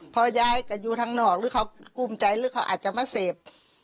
เพราะว่าย้ายก็อยู่ทั้งนอกหรือเขากลุ้มใจหรือเขาอาจจะมาเซฟ